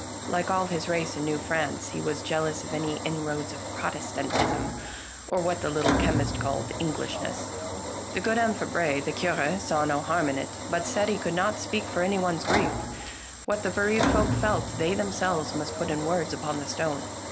Like all his race in New France he was jealous of any inroads of Protestantism, or what the Little Chemist called " Englishness." The good M. Fabre, the Cure, saw no harm in it, but said he 138 THE LANE THAT HAD NO TURNING could not speak for any one's grief. What the be reaved folk felt they themselves must put in words upon the stone.